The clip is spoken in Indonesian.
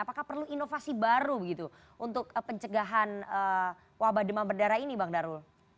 apakah perlu inovasi baru begitu untuk pencegahan wabah demam berdarah ini bang darul